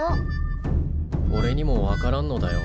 おれにも分からんのだよ。